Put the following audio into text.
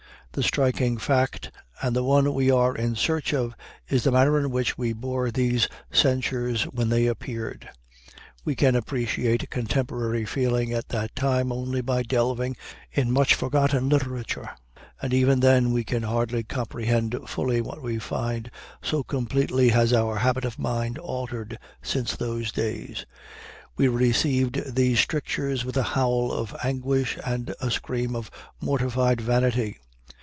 The striking fact, and the one we are in search of, is the manner in which we bore these censures when they appeared. We can appreciate contemporary feeling at that time only by delving in much forgotten literature; and even then we can hardly comprehend fully what we find, so completely has our habit of mind altered since those days. We received these strictures with a howl of anguish and a scream of mortified vanity.